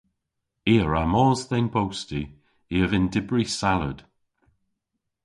I a wra mos dhe'n bosti. I a vynn dybri salad.